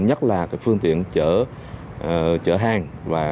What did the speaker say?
nhất là phương tiện chở hàng